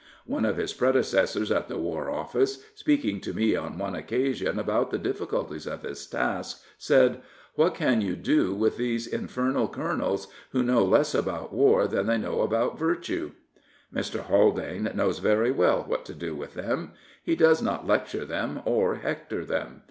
One of his predecessors at the War Office, speaking to me on one occasion about the difficulties of his task, said: What can you do with these infernal colonels, who know less about war than they know about virtue? " Mr. Haldane knows very well what to do with them. He does not lecture them or hector them.